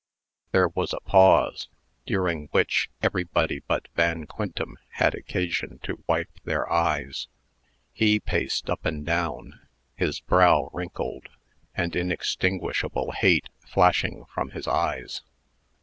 There was a pause, daring which everybody but young Van Quintem had occasion to wipe their eyes. He paced up and down, his brow wrinkled, and inextinguishable hate flashing from his eyes.